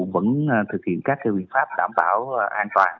vẫn thực hiện các biện pháp đảm bảo an toàn